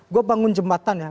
gue bangun jembatan ya